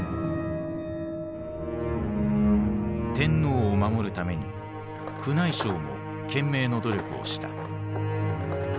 天皇を守るために宮内省も懸命の努力をした。